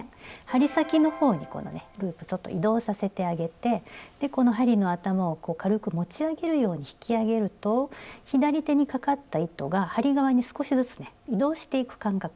針先の方にこのねループちょっと移動させてあげてこの針の頭を軽く持ち上げるように引き上げると左手にかかった糸が針側に少しずつね移動していく感覚。